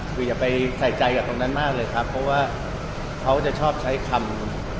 คืออย่าไปใส่ใจกับตรงนั้นมากเลยครับเพราะว่าเขาจะชอบใช้คำ